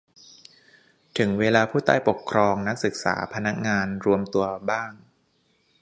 ถึงเวลาผู้ใต้ปกครอง นักศึกษา พนักงาน รวมตัวบ้าง